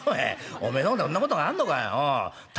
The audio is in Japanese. おめえの方でそんなことがあんのかようん。